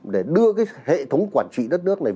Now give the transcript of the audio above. để đưa cái hệ thống quản trị đất nước này